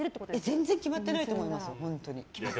全然決まってないと思いますよ。